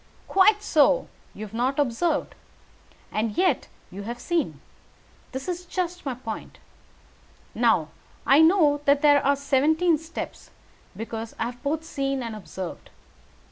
"Quite so! You have not observed. And yet you have seen. That is just my point. Now, I know there are seventeen steps, because I have both seen and observed.